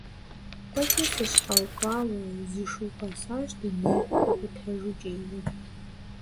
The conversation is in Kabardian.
ТӀэкӀуи сыщхьэукъуауэ, зы шу къэсащ дунейр икъутэжу кӀийуэ.